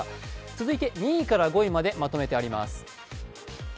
続いて２位から５位までまとめてあります。